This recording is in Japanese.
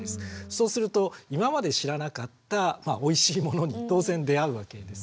そうすると今まで知らなかったおいしいものに当然出会うわけです。